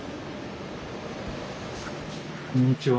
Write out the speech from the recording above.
こんにちは。